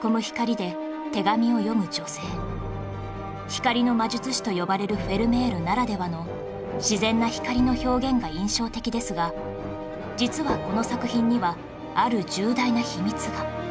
光の魔術師と呼ばれるフェルメールならではの自然な光の表現が印象的ですが実はこの作品にはある重大な秘密が